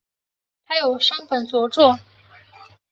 他有三本着作。